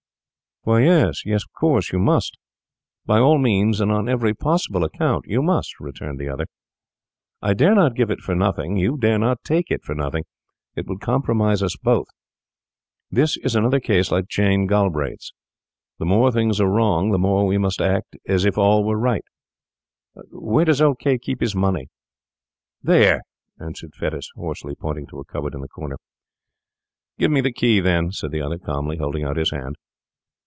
'Why, yes, of course you must. By all means and on every possible account, you must,' returned the other. 'I dare not give it for nothing, you dare not take it for nothing; it would compromise us both. This is another case like Jane Galbraith's. The more things are wrong the more we must act as if all were right. Where does old K— keep his money?' 'There,' answered Fettes hoarsely, pointing to a cupboard in the corner. 'Give me the key, then,' said the other, calmly, holding out his hand.